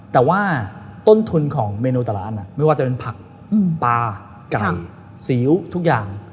แต่ว่าต้นทุนของเมนูแต่ร้านไม่ว่าจะเป็นผักปลาไก่ซีอิ๊วทุกอย่าง